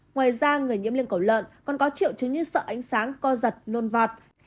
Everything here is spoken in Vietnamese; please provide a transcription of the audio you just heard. ngoài ra người nhiễm liên cầu lợn còn có triệu chứng như sợ ánh sáng co giật nôn vọt